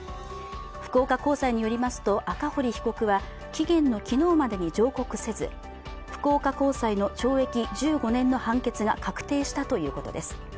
福岡高裁によりますと、赤堀被告は期限の昨日までに上告せず、福岡高裁の懲役１５年の判決が確定したということです。